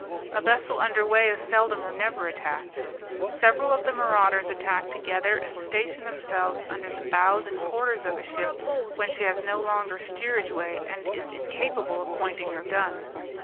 A vessel underway is seldom or never attacked. Several of the marauders attack together, and station themselves under the bows and quarters of a ship when she has no longer steerage way, and is incapable of pointing her guns.